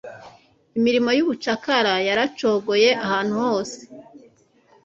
imirimo yubucakara yaracogoye ahantu hose